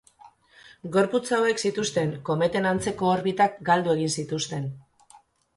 Gorputz hauek zituzten kometen antzeko orbitak galdu egin zituzten.